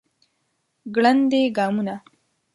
ګړندي ګامونه